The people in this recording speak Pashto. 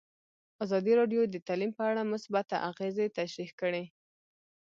ازادي راډیو د تعلیم په اړه مثبت اغېزې تشریح کړي.